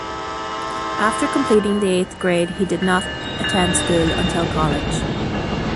After completing the eighth grade, he did not attend school until college.